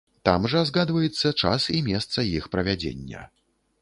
Там жа згадваецца час і месца іх правядзення.